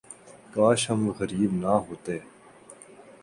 کاش ہم غریب نہ ہوتے